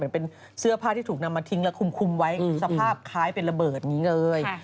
เป็นเสื้อผ้าที่ถูกนำมาทิ้งแล้วคุมไว้สภาพคล้ายเป็นระเบิดอย่างนี้เลย